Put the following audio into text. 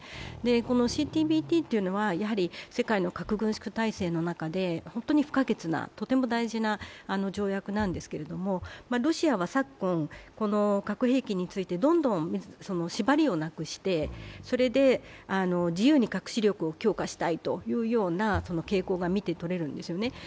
このＣＴＢＴというのは世界の核軍縮体制の中で本当に不可欠な、本当に大切な条約なんですけどロシアは昨今、この核兵器についてどんどん縛りをなくして、自由に核止力を強化したいというような傾向が見てとれるんですね。